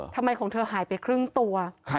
ทำไมของเธอหายไปครึ่งตัว